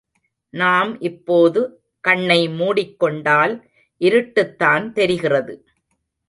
நாம் இப்போது கண்ணை மூடிக் கொண்டால் இருட்டுத்தான் தெரிகிறது.